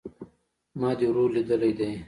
ما دي ورور ليدلى دئ